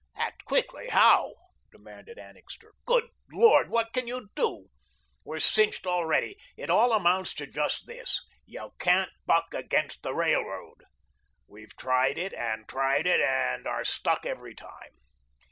"Act quickly! How?" demanded Annixter. "Good Lord! what can you do? We're cinched already. It all amounts to just this: YOU CAN'T BUCK AGAINST THE RAILROAD. We've tried it and tried it, and we are stuck every time.